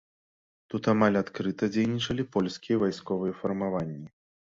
Тут амаль адкрыта дзейнічалі польскія вайсковыя фармаванні.